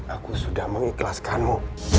aku sudah mengikhlaskanmu